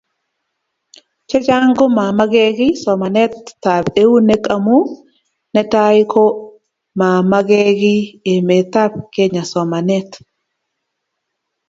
Che chang komamakekiy somanetab eunek amu; Netai komamakekiy emetab Kenya somanet